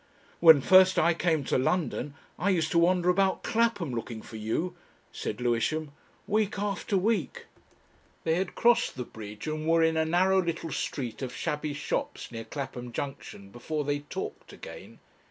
"When first I came to London I used to wander about Clapham looking for you," said Lewisham, "week after week." They had crossed the bridge and were in a narrow little street of shabby shops near Clapham Junction before they talked again.